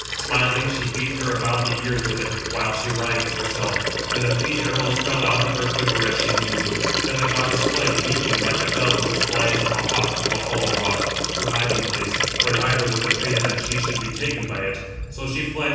Smiling, she beat her about the ears with it, while she writhed herself; and the fleet arrows fell out [of her quiver, as she moved]. Then the goddess fled, weeping, like a dove which flies from a hawk to a hollow rock, her hiding place, (for neither was it fated that she should be taken by it;) so she fled, weeping, and left her arrows there.